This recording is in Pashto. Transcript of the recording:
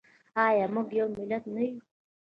آیا موږ یو ملت نه یو؟